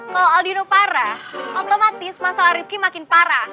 kalo aldino parah otomatis masalah rifqi makin parah